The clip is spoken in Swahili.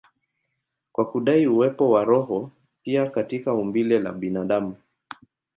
kwa kudai uwepo wa roho pia katika umbile la binadamu.